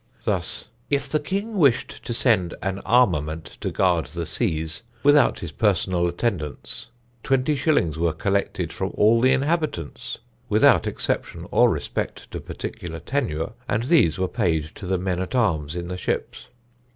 Thus: "If the king wished to send an armament to guard the seas, without his personal attendance, twenty shillings were collected from all the inhabitants, without exception or respect to particular tenure, and these were paid to the men at arms in the ships.